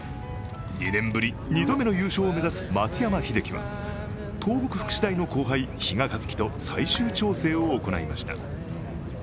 ２年ぶり２度目の優勝を目指す松山英樹は東北福祉大の後輩・比嘉一貴と最終調整を行いました。